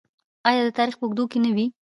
آیا د تاریخ په اوږدو کې نه وي؟